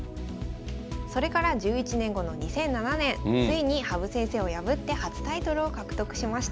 それから１１年後の２００７年ついに羽生先生を破って初タイトルを獲得しました。